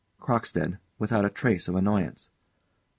CROCKSTEAD. [_Without a trace of annoyance.